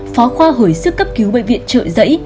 phó khoa hồi sức cấp cứu bệnh viện trợ giấy